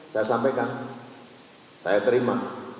saya sampaikan saya terima